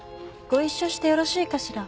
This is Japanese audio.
ご一緒してよろしいかしら。